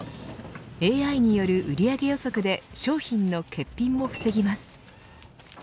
ＡＩによる売り上げ予測で商品の欠品も防げます。